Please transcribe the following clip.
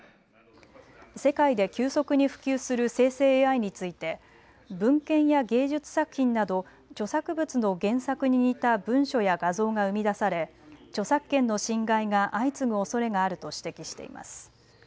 世界で急速に普及する生成ＡＩについて文献や芸術作品など著作物の原作に似た文書や画像が生み出され著作権の侵害が相次ぐおそれがあると指摘しています。